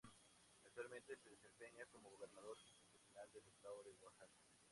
Actualmente se desempeña como Gobernador Constitucional del Estado de Oaxaca.